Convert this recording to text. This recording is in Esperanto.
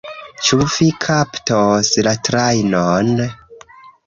Ĉu vi kaptos la trajnon?